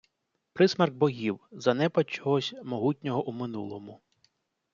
Присмерк богів - занепад чогось, могутнього у минулому